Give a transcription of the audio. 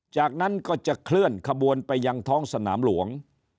จากนั้นก็จะเคลื่อนขบวนไปยังท้องสนามหลวง